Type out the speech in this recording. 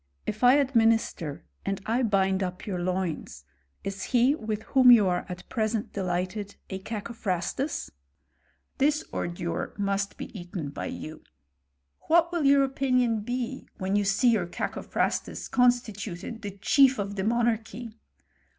If I administer, and I bind up yoiu: loins, is he with whom you are at present delighted a Cacophrastus ? This ordure must be eaten by you." " What will your opinion be when you see youf Cacophrastus constituted the chief of the monarchy